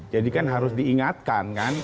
jadi kan harus diingatkan kan